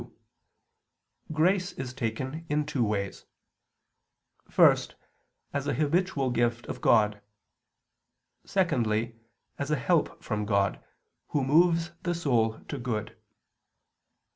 2), grace is taken in two ways: first, as a habitual gift of God. Secondly, as a help from God, Who moves the soul to good.